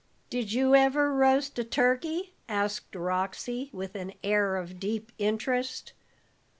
"Did you ever roast a turkey?" asked Roxy, with an air of deep interest.